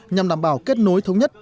nhằm đảm bảo kết nối thống nhất